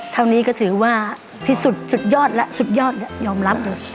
เท่านี้ก็ถือว่าที่สุดสุดยอดแล้วสุดยอดเนี่ยยอมรับเลย